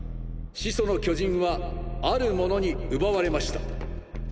「始祖の巨人」はある者に奪われました。